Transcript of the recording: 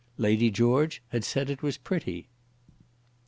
Lady George had said that it was pretty.